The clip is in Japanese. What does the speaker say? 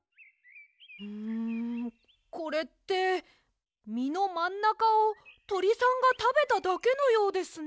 んこれってみのまんなかをとりさんがたべただけのようですね。